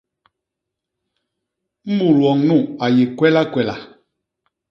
Mut woñ nu a yé kwelakwela.